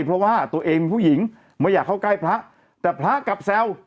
เพราะว่าตัวเองเป็นผู้หญิงไม่อยากเข้าใกล้พระแต่พระกลับแซว